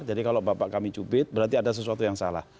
jadi kalau bapak kami cubit berarti ada sesuatu yang salah